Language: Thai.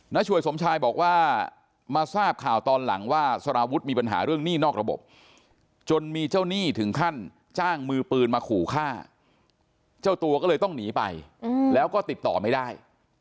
ช่วยสมชายบอกว่ามาทราบข่าวตอนหลังว่าสารวุฒิมีปัญหาเรื่องหนี้นอกระบบจนมีเจ้าหนี้ถึงขั้นจ้างมือปืนมาขู่ฆ่าเจ้าตัวก็เลยต้องหนีไปแล้วก็ติดต่อไม่ได้